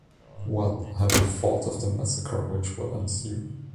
Well, have you thought of the massacre which will ensue?